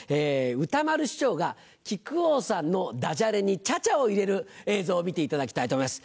歌丸師匠が木久扇さんのダジャレにちゃちゃを入れる映像を見ていただきたいと思います。